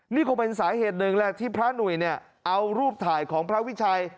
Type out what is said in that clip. นี่คงเป็นสาเหตุหนึ่งแหละที่พระหนุ่ยเนี่ยเอารูปถ่ายของพระวิชัย